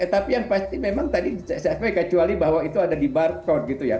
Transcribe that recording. tapi yang pasti memang tadi saya kecuali bahwa itu ada di barcode gitu ya